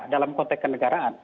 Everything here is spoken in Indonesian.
dalam konteks kenegaraan